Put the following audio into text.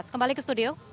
kembali ke studio